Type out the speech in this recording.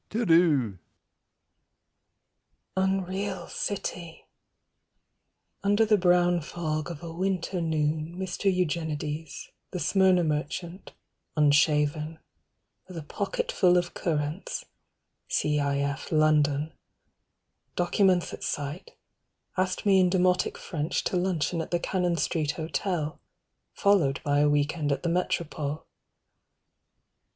Tereu Unreal City Under the brown fog of a winter noon Mr. Eugenides, the Smyrna merchant Unshaven, with a pocket full of currants 210 C.i.f. London: documents at sight, Asked me in demotic French To luncheon at the Cannon Street Hotel Followed by a weekend at the Metropole.